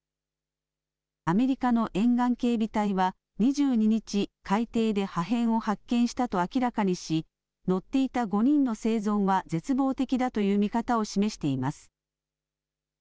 アメリカの沿岸警備隊は２２日、海底で破片を発見したと明らかにし、乗っていた５人の生存は絶望的だという見方を示しています。